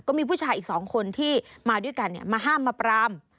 มีผู้ชายอีก๒คนที่มาด้วยกันมาห้ามมาปราม